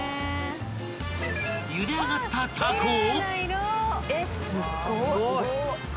［ゆで上がったタコを］